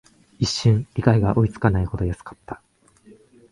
一瞬、理解が追いつかないほど安かった